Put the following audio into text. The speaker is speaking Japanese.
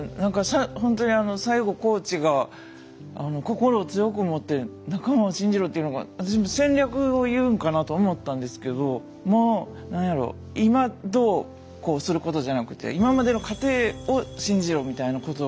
ほんとに最後コーチが「心を強く持って仲間を信じろ」って言うのが私も戦略を言うんかなと思ったんですけどもうなんやろ今どうこうすることじゃなくて今までの過程を信じろみたいなことなんやなと思って。